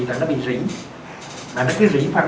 là nó bị rỉ mà nó cứ rỉ phân